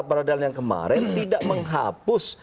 putusan perapradilan yang kemarin tidak menghapus